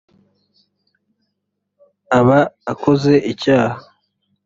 aba akoze icyaha